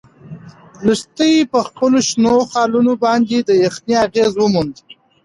لښتې په خپلو شنو خالونو باندې د یخنۍ اغیز وموند.